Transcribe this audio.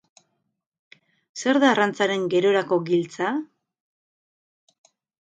Zer da arrantzaren gerorako giltza?